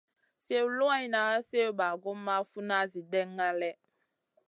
Sliw luwanŋa, sliw bagumʼma, funa, Zi ɗènŋa lèh.